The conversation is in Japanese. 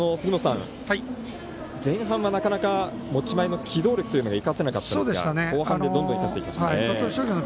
前半はなかなか持ち前の機動力というのが生かせませんでしたが後半でどんどん生かしていきましたね。